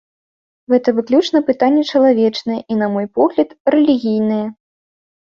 Гэта выключна пытанне чалавечнае і, на мой погляд, рэлігійнае.